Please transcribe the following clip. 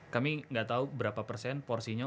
kami nggak tahu berapa persen porsinya